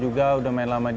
jadi kita udah main lama juga